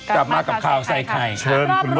กลับมากับข่าวใส่ไข่